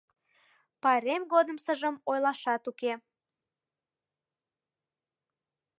Пайрем годымсыжым ойлашат уке.